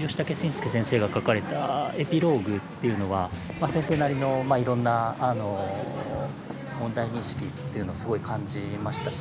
ヨシタケシンスケ先生がかかれたエピローグっていうのは先生なりのいろんな問題認識っていうのすごい感じましたし。